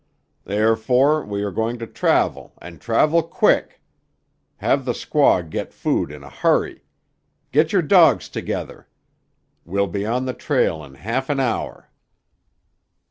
Therefore we are going to travel and travel quick. Have the squaw get food in a hurry. Get your dogs together. We'll be on the trail in half an hour."